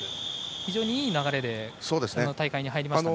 非常にいい流れでこの大会に入りました。